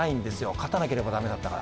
勝たなければ駄目だったから。